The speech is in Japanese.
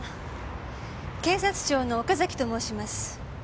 警察庁の岡崎と申します。